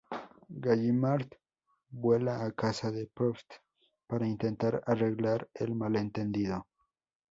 Gallimard vuela a casa de Proust para intentar arreglar el malentendido.